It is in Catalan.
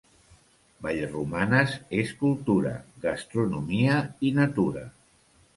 Vallromanes és cultura, gastronomia i natura.